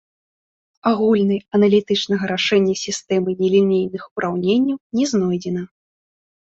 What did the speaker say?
Агульнай аналітычнага рашэння сістэмы нелінейных ураўненняў не знойдзена.